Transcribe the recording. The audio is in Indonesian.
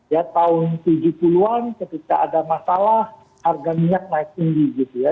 ya tahun tujuh puluh an ketika ada masalah harga minyak naik tinggi gitu ya